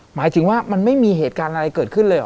หมายถึงว่ามันไม่มีเหตุการณ์อะไรเกิดขึ้นเลยเหรอ